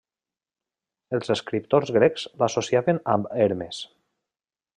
Els escriptors grecs l'associaven amb Hermes.